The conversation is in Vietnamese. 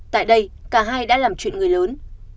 tại đây cả hai đã làm chuyện người lớn